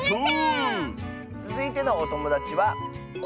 つづいてのおともだちは。